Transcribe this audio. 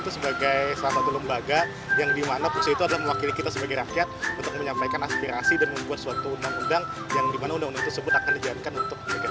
itu sebagai satu lembaga yang dimana buksin itu ada mewakili kita sebagai rakyat untuk menyampaikan aspirasi dan membuat suatu undang undang yang dimana undang undang itu sebut akan dijalankan untuk membuat inovasi